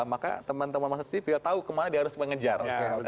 maka teman teman masa sipil tahu ke mana dia harus mengejar